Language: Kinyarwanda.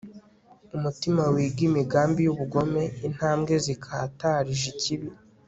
umutima wiga imigambiy'ubugome, intambwe zikatarije ikibi